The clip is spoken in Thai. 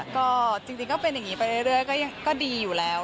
ก็จริงก็เป็นอย่างนี้ไปเรื่อยก็ดีอยู่แล้ว